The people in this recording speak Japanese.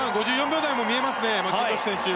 ５４秒台も見えますね。